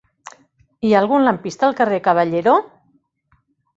Hi ha algun lampista al carrer de Caballero?